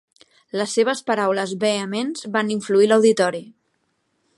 Les seves paraules vehements van influir l'auditori.